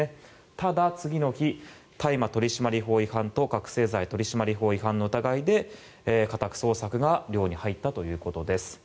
ただ次の日、大麻取締法違反と覚醒剤取締法違反の疑いで家宅捜索が寮に入ったということです。